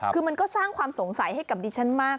คือมันก็สร้างความสงสัยให้กับดิฉันมาก